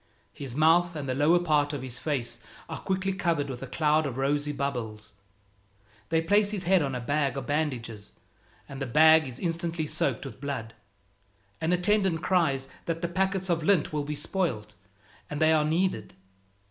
His mouth and the lower part of his face are quickly covered with a cloud of rosy bubbles. They place his head on a bag of bandages, and the bag is instantly soaked with blood. An attendant cries that the packets of lint will be spoiled, and they are needed.